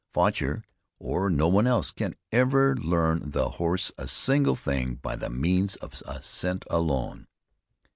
Faucher, or no one else, can ever learn the horse a single thing by the means of a scent alone.